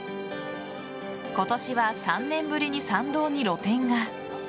今年は３年ぶりに参道に露店が。